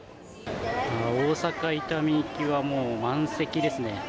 大阪・伊丹行きはもう満席ですね。